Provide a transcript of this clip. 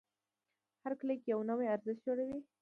هر کلیک یو نوی ارزښت جوړوي.